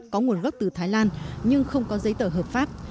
có nguồn gốc từ thái lan nhưng không có giấy tờ hợp pháp